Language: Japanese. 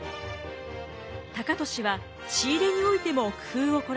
高利は仕入れにおいても工夫を凝らします。